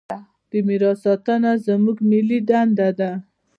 د میراث ساتنه زموږ ملي دنده ده.